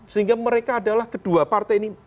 sehingga mereka adalah kedua partai ini